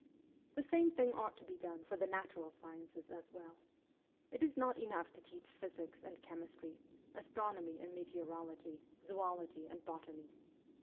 104 MEMOIRS OF A REVOLUTIONIST The same thing ought to be done for the natural sciences as well. It is not enough to teach physics and chemistry, astronomy and meteorology, zoology and botany.